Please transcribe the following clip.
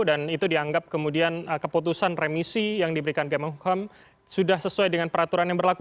dan itu dianggap kemudian keputusan remisi yang diberikan gam hukum sudah sesuai dengan peraturan yang berlaku